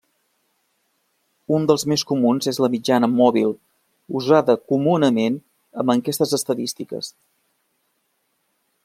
Un dels més comuns és la mitjana mòbil, usada comunament amb enquestes estadístiques.